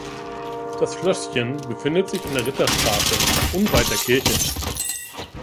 Das Schlösschen befindet sich in der Ritterstraße, unweit der Kirche.